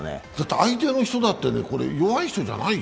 相手の人だって、弱い人じゃないよ。